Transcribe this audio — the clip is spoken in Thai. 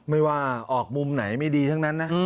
ไม่ว่าออกมุมไหนไม่ดีทั้งนั้นนะ